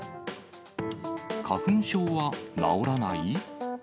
花粉症は治らない？